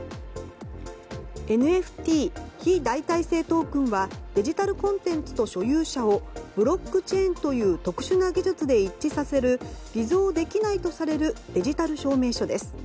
ＮＦＴ・非代替性トークンはデジタルコンテンツと所有者をブロックチェーンという特殊な技術で一致させる偽造できないとされるデジタル証明書です。